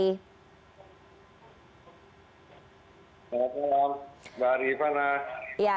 selamat malam mbak riva